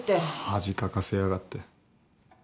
恥かかせやがって。